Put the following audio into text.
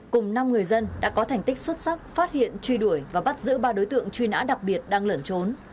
cùng năm người dân đã có thành tích xuất sắc phát hiện truy đuổi và bắt giữ ba đối tượng truy nã đặc biệt đang lẩn trốn